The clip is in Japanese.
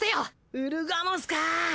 ウルガモスかぁ！